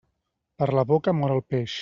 Per la boca mor el peix.